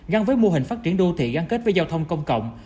gắn với mô hình phát triển đô thị gắn kết với giao thông công cộng